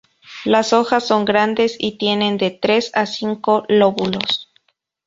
Las hojas son grandes y tienen de tres a cinco lóbulos.